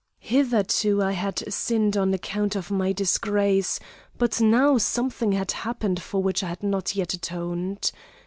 "Hitherto I had sinned on account of my disgrace, but now something had happened for which I had not yet atoned.